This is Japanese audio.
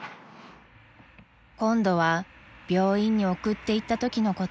［今度は病院に送っていったときのこと］